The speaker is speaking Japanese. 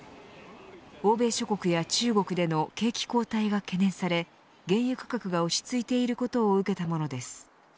欧米諸国や中国での景気後退が懸念され原油価格が落ち着いていることを受けたものです。